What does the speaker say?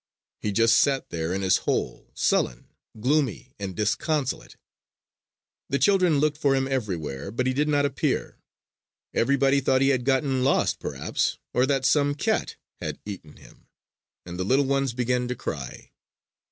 He just sat there in his hole, sullen, gloomy, and disconsolate. The children looked for him everywhere, but he did not appear. Everybody thought he had gotten lost, perhaps, or that some cat had eaten him; and the little ones began to cry.